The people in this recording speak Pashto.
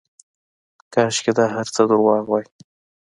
کاشکې دا هرڅه درواغ واى.